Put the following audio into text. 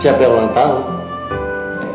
sayang siapa yang ulang tahun